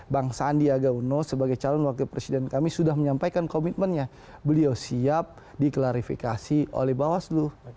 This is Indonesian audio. bang sandiaga uno sebagai calon wakil presiden kami sudah menyampaikan komitmennya beliau siap diklarifikasi oleh bawaslu